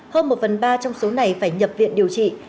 hơn một phần ba trong số này phải nhập viện điều trị